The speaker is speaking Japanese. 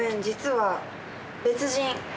実は別人。